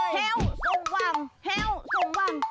แฮวสมวังแฮวสมวัง